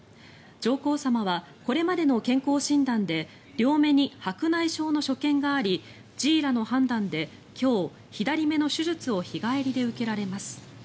上皇さまはこれまでの健康診断で両目に白内障の所見があり侍医らの判断で今日、左目の手術を日帰りで受けられます。